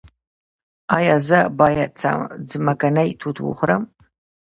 ایا زه باید ځمکنۍ توت وخورم؟